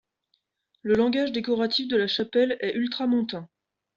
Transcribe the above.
Le langage décoratif de la chapelle est ultramontain.